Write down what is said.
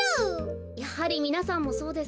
やはりみなさんもそうですか。